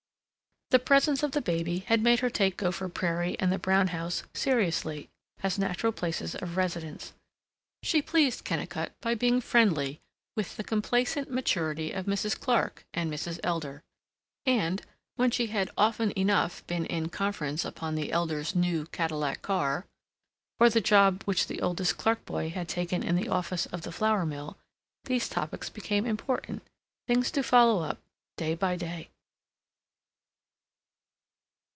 The presence of the baby had made her take Gopher Prairie and the brown house seriously, as natural places of residence. She pleased Kennicott by being friendly with the complacent maturity of Mrs. Clark and Mrs. Elder, and when she had often enough been in conference upon the Elders' new Cadillac car, or the job which the oldest Clark boy had taken in the office of the flour mill, these topics became important, things to follow up day by day.